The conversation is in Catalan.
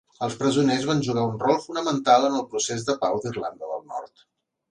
Els presoners van jugar un rol fonamental en el procés de pau d'Irlanda del Nord.